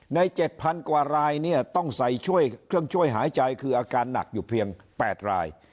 ๗๐๐กว่ารายเนี่ยต้องใส่ช่วยเครื่องช่วยหายใจคืออาการหนักอยู่เพียง๘ราย